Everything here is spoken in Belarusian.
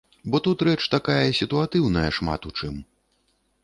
Бо тут рэч такая сітуатыўная шмат у чым.